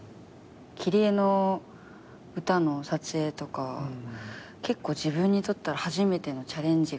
『キリエのうた』の撮影とか結構自分にとったら初めてのチャレンジが多くて。